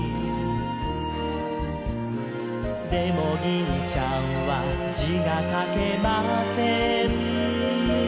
「でも銀ちゃんは字が書けません」